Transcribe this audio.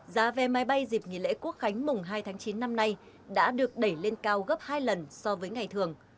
giá vé máy bay dịp nghỉ lễ quốc khánh mùng hai tháng chín năm nay đã được đẩy lên cao gấp hai lần so với ngày thường